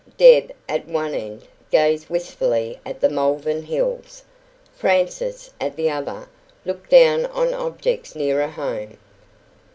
Deb, at one end, gazed wistfully at the Malvern Hills; Frances, at the other, looked down on objects nearer home.